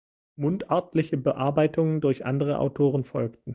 Mundartliche Bearbeitungen durch andere Autoren folgten.